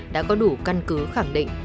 đã có đủ căn cứ khẳng định